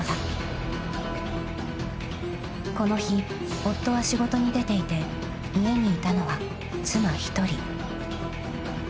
［この日夫は仕事に出ていて家にいたのは妻１人］